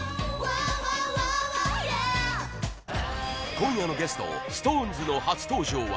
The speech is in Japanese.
今夜のゲスト ＳｉｘＴＯＮＥＳ の初登場は